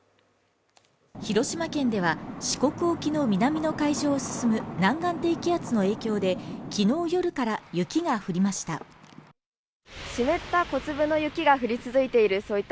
広島県では四国沖の南の海上を進む南岸低気圧の影響できのう夜から雪が降りました